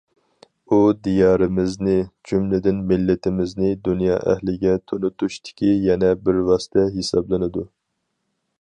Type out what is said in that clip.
ئۇ، دىيارىمىزنى، جۈملىدىن مىللىتىمىزنى دۇنيا ئەھلىگە تونۇتۇشتىكى يەنە بىر ۋاسىتە ھېسابلىنىدۇ.